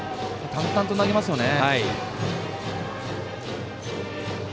淡々と投げますよね。